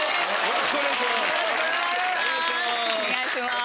よろしくお願いします。